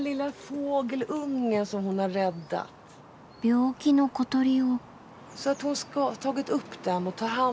病気の小鳥を。